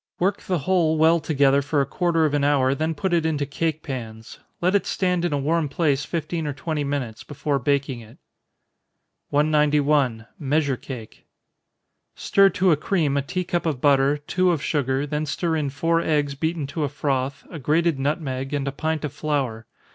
Work the whole well together for a quarter of an hour, then put it into cake pans. Let it stand in a warm place fifteen or twenty minutes, before baking it. 191. Measure Cake. Stir to a cream a tea cup of butter, two of sugar, then stir in four eggs beaten to a froth, a grated nutmeg, and a pint of flour.